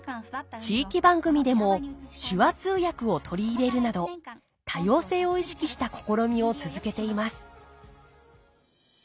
地域番組でも手話通訳を取り入れるなど多様性を意識した試みを続けています